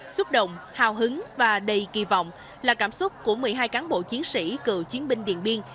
xúc động hào hứng và đầy kỳ vọng là cảm xúc của một mươi hai cán bộ chiến sĩ cựu chiến binh điện biên